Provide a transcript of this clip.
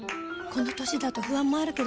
この歳だと不安もあるけどさ